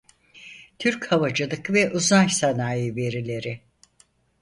Türk Havacılık ve Uzay Sanayii "verileri"